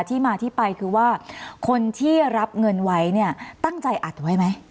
ที่มาที่ไปคือว่าคนที่รับเงินไว้เนี่ยตั้งใจอัดไว้ไหม